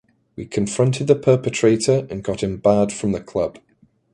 We confronted the perpetrator and got him barred from the club.